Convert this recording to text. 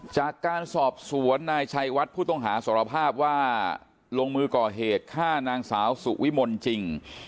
จากการสอบสวนนายชัยวัดผู้ต้องหาสารภาพว่าลงมือก่อเหตุฆ่านางสาวสุวิมลจริง